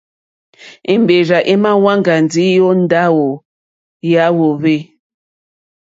Èmbèrzà èmà wáŋgá ndí ó ndáwù yà hwòhwê.